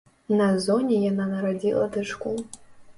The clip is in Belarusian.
На зоне яна нарадзіла дачку.